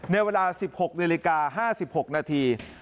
ในเวลา๑๖นิลลิการ์๕๖นาที